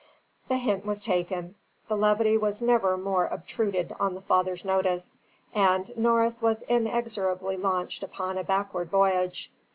The hint was taken; the levity was never more obtruded on the father's notice, and Norris was inexorably launched upon a backward voyage.